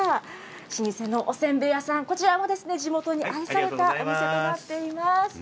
老舗のおせんべい屋さん、こちらもですね、地元に愛されたお店となっています。